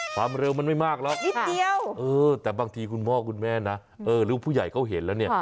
ความเร็วมันไม่มากหรอกนิดเดียวเออแต่บางทีคุณพ่อคุณแม่นะลูกผู้ใหญ่เขาเห็นแล้วเนี่ย